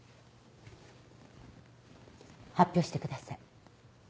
発表してください。